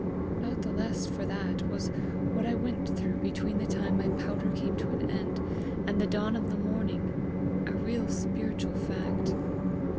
"Not the less for that was what I went through between the time my powder came to an end and the dawn of the morning, a real spiritual fact.